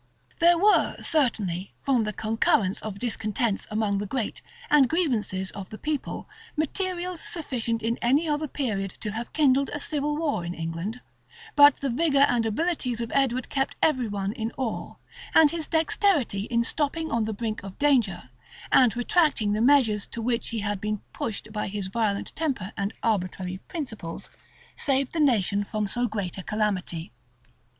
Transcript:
[] There were, certainly, from the concurrence of discontents among the great, and grievances of the people, materials sufficient in any other period to have kindled a civil war in England: but the vigor and abilities of Edward kept every one in awe; and his dexterity in stopping on the brink of danger, and retracting the measures to which he had been pushed by his violent temper and arbitrary principles, saved the nation from so great a calamity.